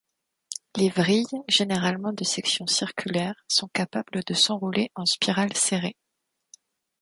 Les vrilles, généralement de section circulaire, sont capables de s'enrouler en spirale serrée.